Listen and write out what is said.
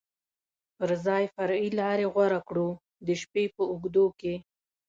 پر ځای فرعي لارې غوره کړو، د شپې په اوږدو کې.